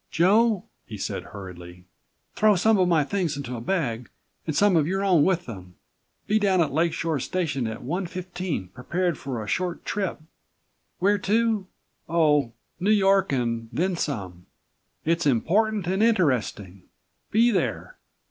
"Joe," he said hurriedly, "throw some of my things into a bag and some of your own with them. Be down at the Lake Shore station at one fifteen prepared for a short trip. Where to? Oh, New York and then some. It's important and interesting. Be there!